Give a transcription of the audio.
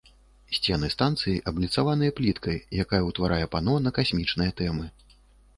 Сцены станцыі абліцаваныя пліткай, якая ўтварае пано на касмічныя тэмы.